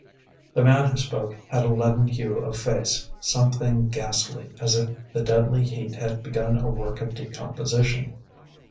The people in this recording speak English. The man who spoke had a leaden hue of face, something ghastly, as if the deadly heat had begun a work of decomposition.